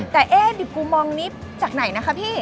แต่เอ๊ะดิบกูมองนี้จากไหนนะคะพี่